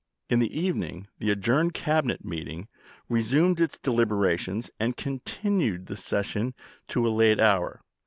In the evening the adjourned Cabinet meeting resumed its deliberations, and continued the session to a late hour.